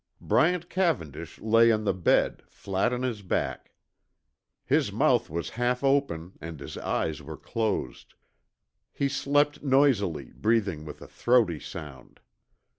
Bryant Cavendish lay on the bed, flat on his back. His mouth was half open and his eyes were closed. He slept noisily, breathing with a throaty sound.